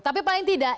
tapi paling tidak